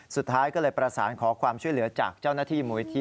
สุดท้ายก็เลยประสานขอความช่วยเหลือจากเจ้าหน้าที่มูลิธิ